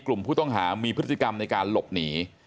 จังหวัดสุราชธานี